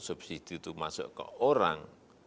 subsidi itu masuk ke orang